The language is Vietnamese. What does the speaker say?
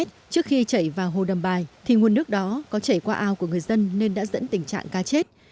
trước khi chảy vào hồ đầm bài thì nguồn nước đó có chảy qua ao của người dân nên đã dẫn tình trạng cá chết